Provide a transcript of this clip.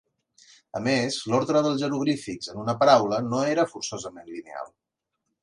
A més, l'ordre dels jeroglífics en una paraula no era forçosament lineal.